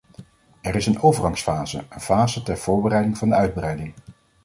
Er is een overgangsfase, een fase ter voorbereiding van de uitbreiding.